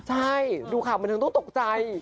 ใช่ดูข่าวบันเทิงต้องตกใจ